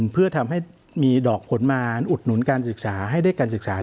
เพื่อทำให้มีดอกผลมาอุดหนุนการศึกษาให้ได้การศึกษา